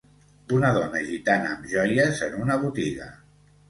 una dona gitana amb joies en una botiga.